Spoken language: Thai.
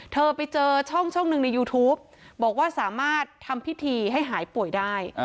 เธอไปเจอช่องหนึ่งในยูทูปบอกว่าสามารถทำพิธีให้หายป่วยได้